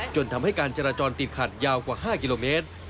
จนทำให้การจราจรติดขัดยาวกว่า๕กิโลเมตร